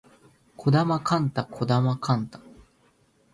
児玉幹太児玉幹太